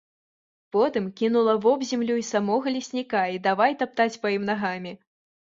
Потым кінула вобземлю і самога лесніка і давай таптаць па ім нагамі.